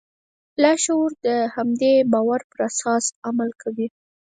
لاشعور د همدې باور پر اساس عمل کوي.